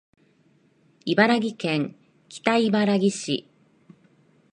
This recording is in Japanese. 茨城県北茨城市